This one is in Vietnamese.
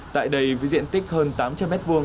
tại đây với diện tích hơn tám trăm linh m hai